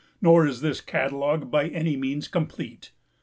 Nor is this catalogue by any means complete.